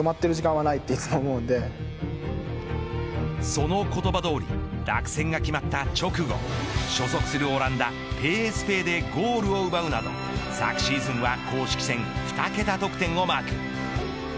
その言葉どおり落選が決まった直後所属するオランダＰＳＶでゴールを奪うなど昨シーズンは公式戦２桁得点をマーク。